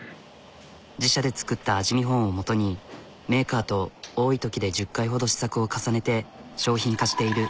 自社で作った味見本を基にメーカーと多いときで１０回ほど試作を重ねて商品化している。